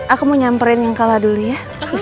aku mau nyamperin yang kalah dulu ya